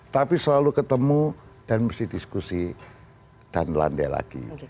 tapi selalu ketemu dan mesti diskusi dan landai lagi